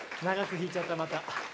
長く弾いちゃったまた。